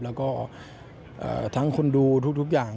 แล้วก็ทั้งคนดูทุกอย่าง